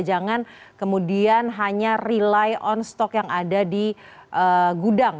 jangan kemudian hanya rely on stok yang ada di gudang